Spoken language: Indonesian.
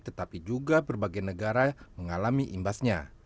tetapi juga berbagai negara mengalami imbasnya